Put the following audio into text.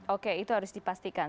oke itu harus dipastikan